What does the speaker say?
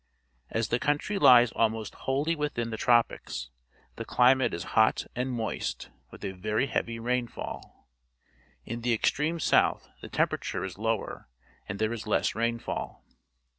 As the country lies almost wholly within the tropics, the climate is hot and moist, with a very heavy rainfall. In the extreme south the temperature is lower, and there is less rainfall.